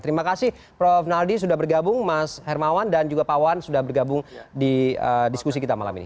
terima kasih prof naldi sudah bergabung mas hermawan dan juga pak wan sudah bergabung di diskusi kita malam ini